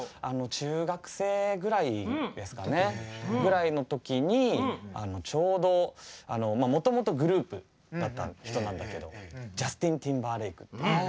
中学生ぐらいの時にちょうどもともとグループだった人なんだけどジャスティン・ティンバーレイク。